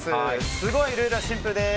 すごくルールはシンプルです。